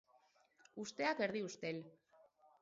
Usteak erdi ustel.